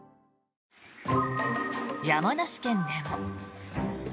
山梨県でも。